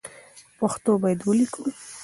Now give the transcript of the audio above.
پښتو باید ولیکو